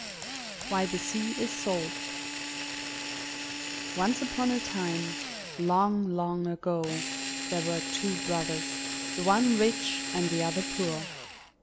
WHY THE SEA IS SALT Once upon a time, long, long ago, there were two brothers, the one rich and the other poor.